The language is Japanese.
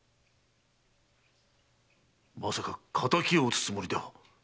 まさか敵を討つつもりでは？